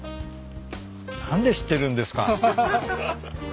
何で知ってるんですか？